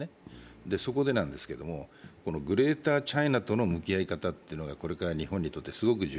そこで、グレーターチャイナとの向き合い方というのがこれから日本にとってすごく重要。